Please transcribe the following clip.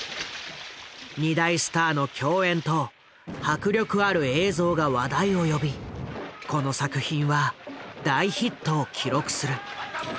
二大スターの競演と迫力ある映像が話題を呼びこの作品は大ヒットを記録する。